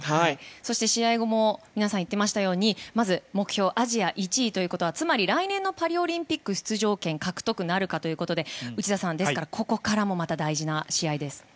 そして試合後も皆さん言ってましたようにまず目標アジア１位ということはつまり来年のパリオリンピック出場権獲得なるかということで内田さん、ですからここからも大事な試合です。